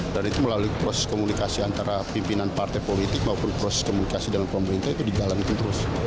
dan itu melalui proses komunikasi antara pimpinan partai politik maupun proses komunikasi dalam pemerintah itu digalankan terus